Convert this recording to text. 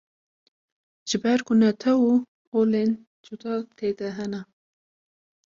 Ji ber ku netew û olên cuda tê de hene.